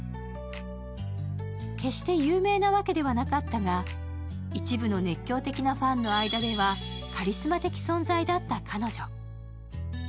決して有名なわけではなかったが一部の熱狂的なファンの間ではカリスマ的存在だった彼女。